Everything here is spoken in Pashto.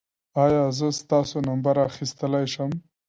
ایا زه ستاسو نمبر اخیستلی شم؟